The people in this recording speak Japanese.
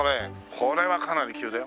これはかなり急だよ。